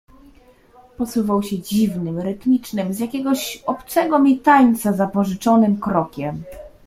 "Posuwał się dziwnym, rytmicznym, z jakiegoś obcego mi tańca, zapożyczonym krokiem."